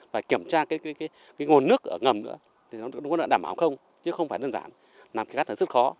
và kiểm tra cái nguồn nước ở ngầm nữa thì nó có đảm bảo không chứ không phải đơn giản làm cái cát là rất khó